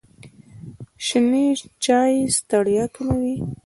شنې چایی ستړیا کموي.